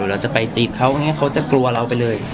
เราจะไปจีบเขาเขาจะกลัวเราไปเลย